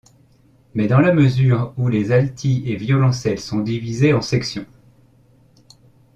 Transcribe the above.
Mais dans la mesure où les alti et violoncelles sont divisés en sections.